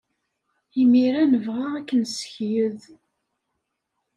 Imir-a, nebɣa ad k-nessekyed.